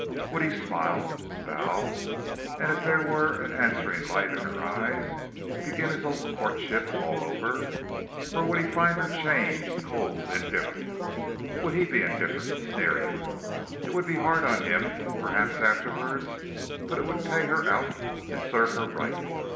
Would he smile, bow and if there were an answering light in her eye, begin his old courtship all over, or would he find her changed, cold, indifferent? Would he be indifferent, sneering? It would be hard on him, perhaps, afterwards, but it would pay her out and serve her right.